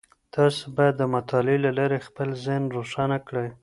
تاسو بايد د مطالعې له لاري خپل ذهن روښانه کړئ.